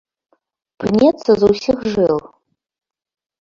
Пнецца з усіх жыл.